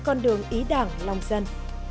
còn đường ý đảng lòng dân